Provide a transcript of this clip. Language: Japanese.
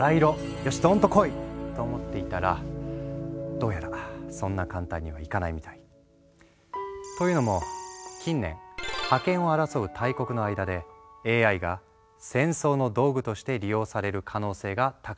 よしどんと来い！と思っていたらどうやらそんな簡単にはいかないみたい。というのも近年覇権を争う大国の間でＡＩが「戦争の道具」として利用される可能性が高まってきているんだ。